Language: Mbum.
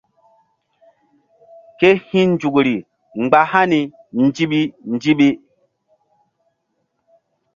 Ke hi̧ nzukri mgba hani ndiɓi ndiɓi.